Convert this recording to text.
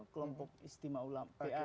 kelompok istimewa ulama pa dua ratus dua belas